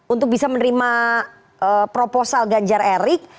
untuk bisa menerima proposal ganjar erik